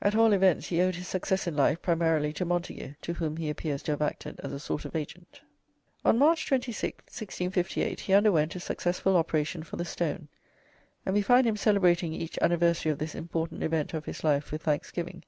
At all events he owed his success in life primarily to Montage, to whom he appears to have acted as a sort of agent. On March 26th, 1658, he underwent a successful operation for the stone, and we find him celebrating each anniversary of this important event of his life with thanksgiving.